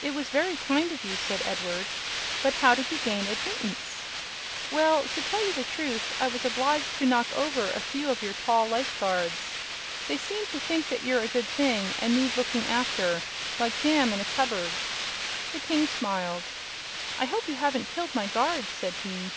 "It was very kind of you," said Edward; "but how did you gain admittance?" "Well, to tell the truth, I was obliged to knock over a few of your tall life guards. They seem to think you're a good thing and need looking after, like jam in a cupboard." The king smiled. "I hope you haven't killed my guards," said he.